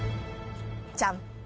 じゃん！